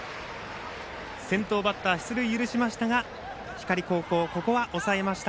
先頭バッター出塁、許しましたが光高校ここは抑えました。